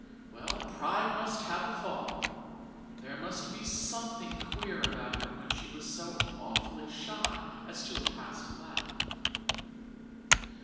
Well, pride must have a fall; there must be something queer about her when she was so awful sly as to her past life.